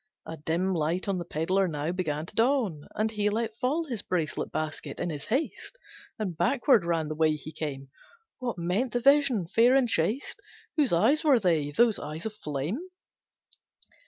A dim light on the pedlar now Began to dawn; and he let fall His bracelet basket in his haste, And backward ran the way he came; What meant the vision fair and chaste, Whose eyes were they, those eyes of flame?